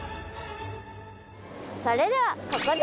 それではここで。